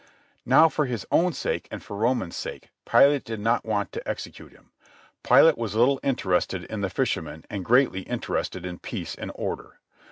Now, for his own sake and for Rome's sake, Pilate did not want to execute him. Pilate was little interested in the fisherman and greatly interested in peace and order.